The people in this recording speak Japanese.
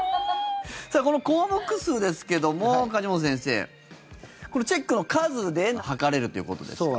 この項目数ですけども梶本先生このチェックの数で測れるということですか。